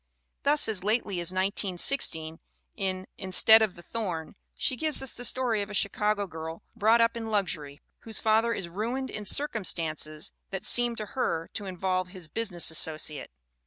Thus as lately as 1916, in Instead of the Thorn, she gives us the story of a Chicago girl brought up in luxury, whose father is ruined in circumstances that seem to her to involve his business associate.